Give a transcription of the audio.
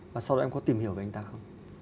và sau đó em có tìm hiểu về anh ta không